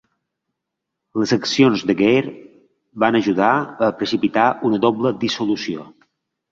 Les accions de Gair van ajudar a precipitar una doble dissolució.